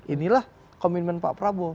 inilah komitmen pak prabowo